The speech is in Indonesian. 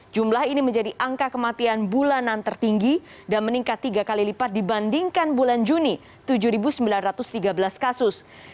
jumlah ini menjadi angka kematian bulanan tertinggi dan meningkat tiga kali lipat dibandingkan bulan juni tujuh sembilan ratus tiga belas kasus